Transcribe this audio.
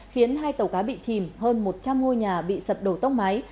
khiến hai tàu cá bị chìm hơn một trăm linh ngôi nhà bị sập đổ tốc máy